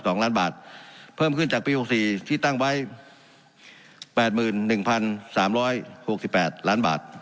ล้านบาทเพิ่มขึ้นจากปีหกสี่ที่ตั้งไว้แปดหมื่นหนึ่งพันสามร้อยหกสิบแปดล้านบาท